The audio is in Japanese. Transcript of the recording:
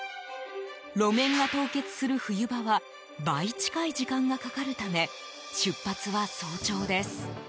路面が凍結する冬場は倍近い時間がかかるため出発は早朝です。